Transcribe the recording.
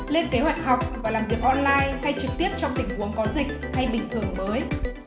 lên kế hoạch học và làm việc online hay trực tiếp trong tình huống có dịch hay bình thường mới